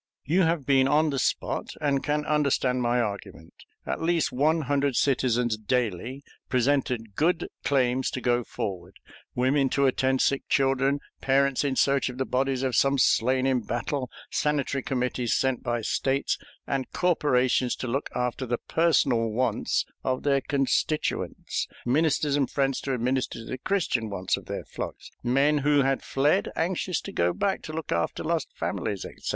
You have been on the spot and can understand my argument. At least one hundred citizens daily presented good claims to go forward women to attend sick children, parents in search of the bodies of some slain in battle, sanitary committees sent by States and corporations to look after the personal wants of their constituents, ministers and friends to minister to the Christian wants of their flocks; men who had fled, anxious to go back to look after lost families, etc.